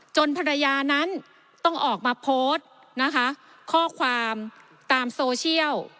ภรรยานั้นต้องออกมาโพสต์นะคะข้อความตามโซเชียล